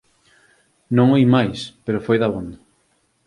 Non oín máis, pero foi dabondo.